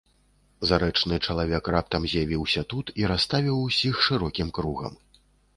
Зарэчны чалавек раптам з'явіўся тут і расставіў усіх шырокім кругам.